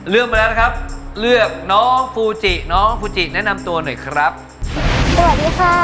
มาแล้วนะครับเลือกน้องฟูจิน้องฟูจิแนะนำตัวหน่อยครับสวัสดีค่ะ